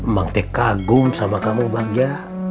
mak teh kagum sama kamu bagja